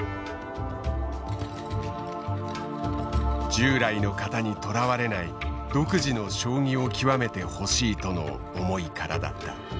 従来の型にとらわれない独自の将棋を極めてほしいとの思いからだった。